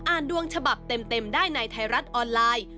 ดวงฉบับเต็มได้ในไทยรัฐออนไลน์